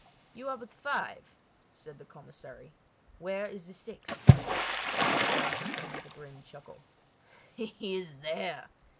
"You are but five," said the commissary; "where is the sixth?" The answer came with a grim chuckle. "He is there!"